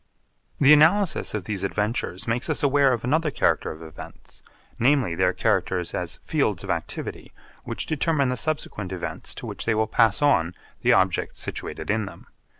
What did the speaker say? The analysis of these adventures makes us aware of another character of events, namely their characters as fields of activity which determine the subsequent events to which they will pass on the objects situated in them.